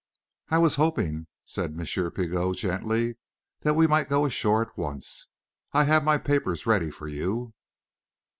"I was hoping," said M. Pigot, gently, "that we might go ashore at once. I have my papers ready for you...."